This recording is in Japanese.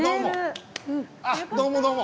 あっどうもどうも。